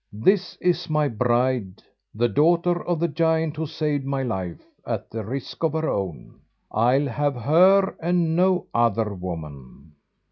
This is my bride the daughter of the giant who saved my life at the risk of her own. I'll have her and no other woman."